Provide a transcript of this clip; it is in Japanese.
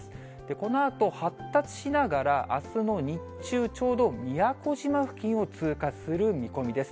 このあと発達しながら、あすの日中、ちょうど宮古島付近を通過する見込みです。